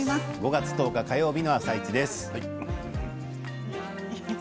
５月１０日火曜日の「あさイチ」です。